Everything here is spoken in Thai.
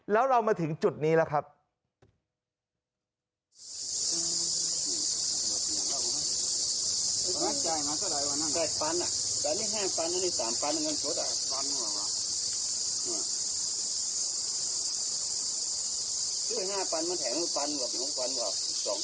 แล้วเรามาถึงจุดนี้แล้วครับ